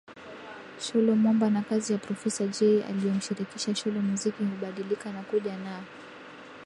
Sholo Mwamba na Kazi ya Profesa Jay aliyomshirikisha Sholo Muziki hubadilika na kuja na